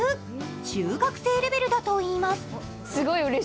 中学生レベルだといいます。